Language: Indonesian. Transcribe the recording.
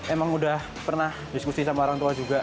emang udah pernah diskusi sama orang tua juga